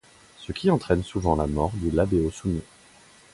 Ce qui entraîne souvent la mort du labéo soumis.